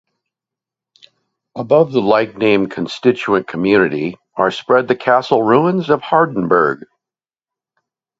Above the like-named constituent community are spread the castle ruins of Hardenburg.